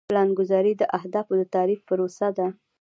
پلانګذاري د اهدافو د تعریف پروسه ده.